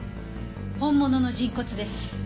本物の人骨です。